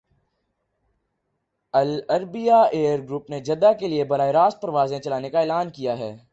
العربیہ air group نے Jeddah کے لیے براہ راست پروازیں چلانے کا اعلان کیا ہے